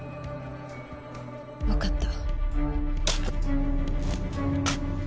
わかった。